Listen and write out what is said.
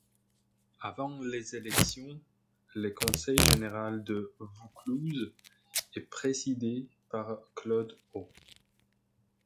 Avant les élections, le conseil général de Vaucluse est présidé par Claude Haut.